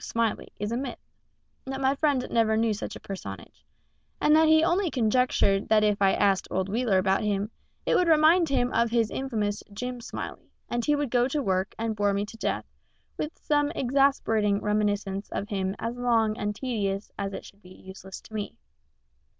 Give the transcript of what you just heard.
Smiley is a myth; that my friend never knew such a personage; and that he only conjectured that if I asked old Wheeler about him, it would remind him of his infamous Jim Smiley, and he would go to work and bore me to death with some exasperating reminiscence of him as long and as tedious as it should be useless to me.